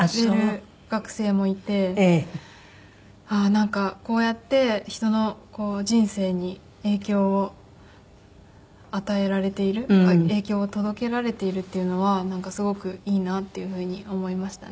なんかこうやって人の人生に影響を与えられている影響を届けられているっていうのはすごくいいなっていうふうに思いましたね。